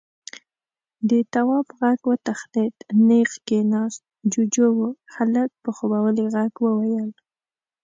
د تواب غوږ وتخنېد، نېغ کېناست. جُوجُو و. هلک په خوبولي غږ وويل: